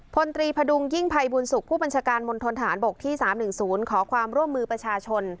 พลตรีพดุงยิ่งภัยบุญสุขผู้บัญชาการมณฑนฐานบกที่๓๑๐ขอความร่วมมือประชาชน